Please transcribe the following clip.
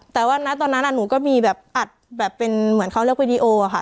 แต่ว่าณตอนนั้นหนูก็มีแบบอัดแบบเป็นเหมือนเขาเรียกวิดีโอค่ะ